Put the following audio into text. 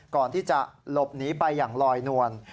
ก่อนที่จะหลบหนีไปอย่างลอยนวล